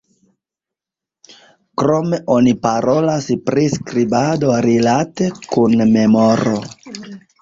Krome oni parolas pri skribado rilate kun memoro.